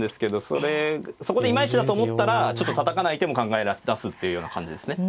それそこでいまいちだと思ったらちょっとたたかない手も考え出すっていうような感じですね。